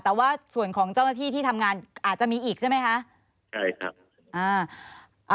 แต่ว่าส่วนของเจ้าหน้าที่ที่ทำงานอาจจะมีอีกใช่ไหมคะใช่ครับอ่า